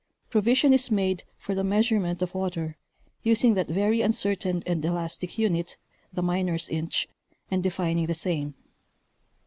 Provision is made for the measurement of water, using that very uncertain and elastic unit, the miner's inch, and defining the same.